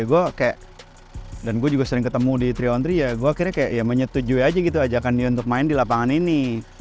gue kayak dan gue juga sering ketemu di tiga on tiga ya gue akhirnya kayak ya menyetujui aja gitu ajakan dia untuk main di lapangan ini